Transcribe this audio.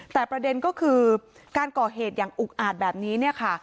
แต่ประเด็นก็คือการก่อเหตุอย่างอุกอาจแบบนี้เนี่ยค่ะ